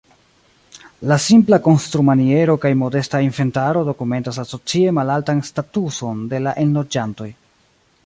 La simpla konstrumaniero kaj modesta inventaro dokumentas la socie malaltan statuson de la enloĝantoj.